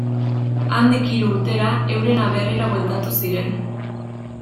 Handik hiru urtera, euren aberrira bueltatu ziren.